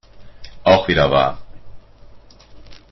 Auch wieder wahr.